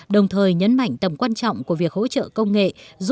đồng thời nhấn mạnh tầm quan trọng của việc hỗ trợ công nghệ